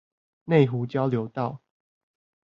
內湖交流道